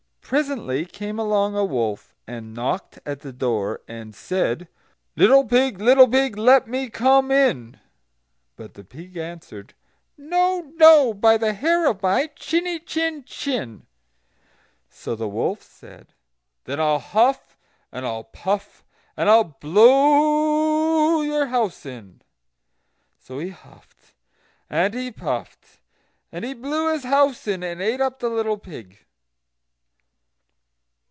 Presently came along a wolf, and knocked at the door, and said: "Little pig, little pig, let me come in." But the pig answered: "No, no, by the hair of my chiny chin chin." So the wolf said: "Then I'll huff, and I'll puff, and I'll blow your house in." So he huffed, and he puffed, and he blew his house in, and ate up the little pig.